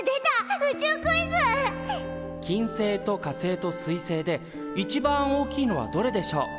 金星と火星と水星で一番大きいのはどれでしょう？